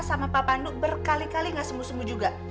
sama pak pandu berkali kali gak sembuh sembuh juga